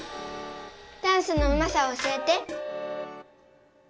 ダンスのうまさを教えて。